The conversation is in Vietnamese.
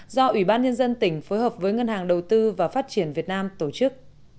do ủy ban nhân dân tỉnh phối hợp với ngân hàng đầu tư và phát triển việt nam tổ chức